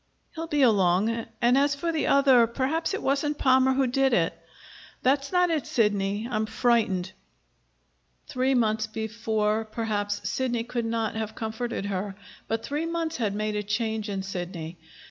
"He'll be along. And as for the other perhaps it wasn't Palmer who did it." "That's not it, Sidney. I'm frightened." Three months before, perhaps, Sidney could not have comforted her; but three months had made a change in Sidney.